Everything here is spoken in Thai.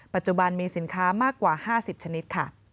ปัจจุบันมีสินค้ามากกว่า๕๐ชนิดค่ะ